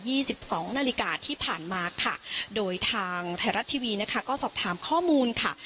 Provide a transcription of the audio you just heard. สิบสองนาฬิกาที่ผ่านมาค่ะโดยทางไทยรัฐทีวีนะคะก็สอบถามข้อมูลค่ะ